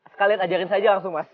sekali aja aja aja langsung mas